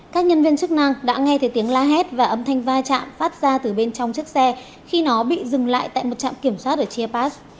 các nhân viên chức năng đã nghe thấy tiếng la hét và âm thanh va chạm phát ra từ bên trong chiếc xe khi nó bị dừng lại tại một trạm kiểm soát ở chepas